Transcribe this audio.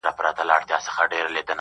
ولې زمونږ د بابا وطن